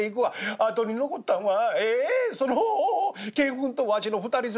あとに残ったんはその犬糞とわしの２人連れ」。